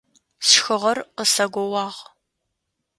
Сшхыгъэр къысэгоуагъ.